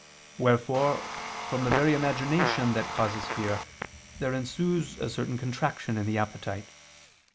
Wherefore from the very imagination that causes fear there ensues a certain contraction in the appetite.